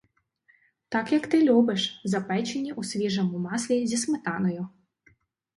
Так, як ти любиш: запечені у свіжому маслі зі сметаною.